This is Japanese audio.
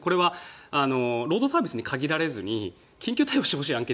これはロードサービスに限らず緊急対応してほしい案件